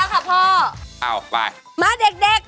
ขอให้พ่อมี่โคน